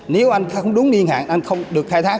nếu anh không đúng niên hạn anh không được khai thác